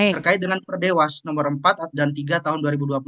terkait dengan perdewas nomor empat dan tiga tahun dua ribu dua puluh